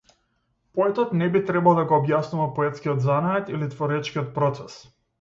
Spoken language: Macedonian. Поетот не би требал да го објаснува поетскиот занает или творечкиот процес.